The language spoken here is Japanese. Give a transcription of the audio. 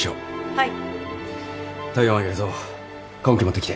はい。